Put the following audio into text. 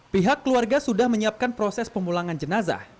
pihak keluarga sudah menyiapkan proses pemulangan jenazah